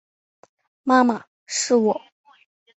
妈妈，是我